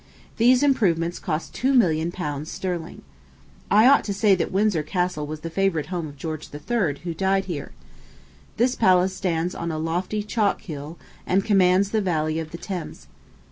These improvements cost two million pounds sterling. I ought to say that Windsor Castle was the favorite home of George III., who died here. This palace stands on a lofty chalk hill, and commands the valley of the Thames.